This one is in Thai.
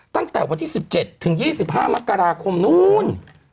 ตั้งแต่วันที่๑๗ถึง๒๕มกราคมนู้น